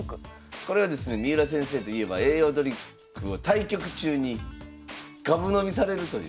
これはですね三浦先生といえば栄養ドリンクを対局中にがぶ飲みされるという。